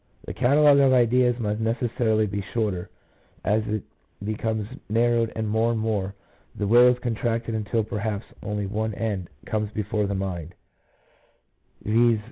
The catalogue of ideals must necessarily be shorter, and as it becomes narrowed more and more, the will is contracted until perhaps only one end comes before the mind — viz.